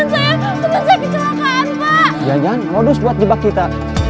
ya jangan lodus buat dibak kita